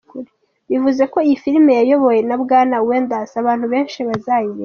Bivuze ko iyi filime yayobowe na Bwana Wenders abantu benshi bazayireba.